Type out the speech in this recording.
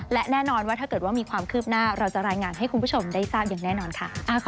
และแน่นอนว่าถ้าเกิดว่ามีความคืบหน้าเราจะรายงานให้คุณผู้ชมได้ทราบอย่างแน่นอนค่ะ